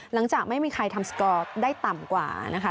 หลังจากไม่มีใครทำสกอร์ได้ต่ำกว่านะคะ